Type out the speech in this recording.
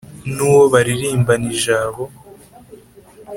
Ni uwo baririmbana ijabo